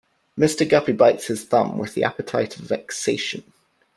Mr. Guppy bites his thumb with the appetite of vexation.